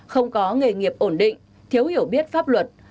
không có nghề nghiệp ổn định thiếu hiểu biết pháp luật